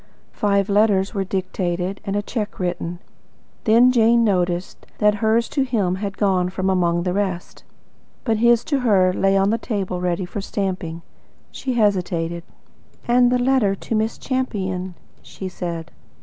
Five letters were dictated and a cheque written. Then Jane noticed that hers to him had gone from among the rest. But his to her lay on the table ready for stamping. She hesitated. "And about the letter to Miss Champion?" she said.